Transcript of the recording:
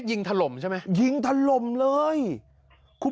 พอเสียงปืนสงบชาวบ้านก็คอว้างซาให้เริ่มพ่อ